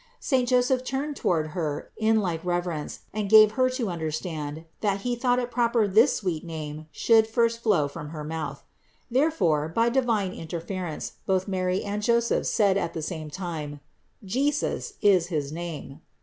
Saint Joseph turned toward Her in like reverence and gave Her to understand that He thought it proper this sweet name should first flow from her mouth. Therefore, by divine interference, both Mary and Joseph said at the same time: "JESUS is his name."